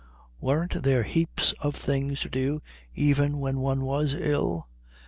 Weren't there heaps of things to do even when one was ill?